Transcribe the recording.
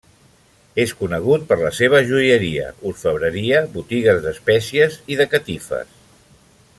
És conegut per la seva joieria, orfebreria, botigues d'espècies i de catifes.